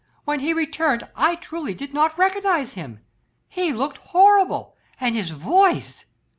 When he returned I truly did not recognise him. He looked horrible, and his voice